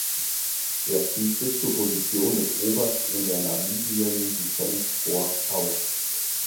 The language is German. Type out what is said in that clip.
Er stieg bis zur Position des Oberst in der Namibian Defence Force auf.